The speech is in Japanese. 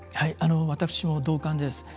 私も同感です。